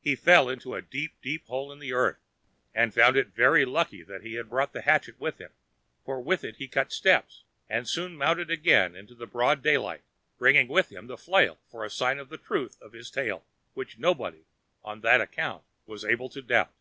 He fell into a deep, deep hole in the earth, and found it very lucky that he had brought the hatchet with him; for with it he cut steps, and so mounted again into the broad daylight, bringing with him the flail for a sign of the truth of his tale, which nobody, on that account, was able to doubt!